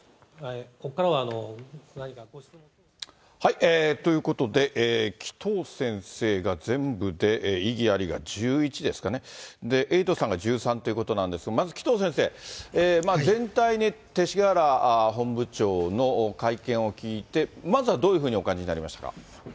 ここからは、何かご質問があれば。ということで、紀藤先生が全部で異議ありが１１ですかね、エイトさんが１３ということなんですが、まず紀藤先生、全体に、勅使河原本部長の会見を聞いて、まずはどういうふうにお感じになりましたか。